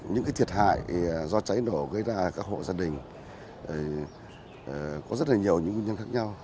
những thiệt hại do cháy nổ gây ra các hộ gia đình có rất nhiều nguyên nhân khác nhau